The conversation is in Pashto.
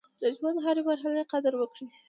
د ژوند د هرې مرحلې قدر وکړئ.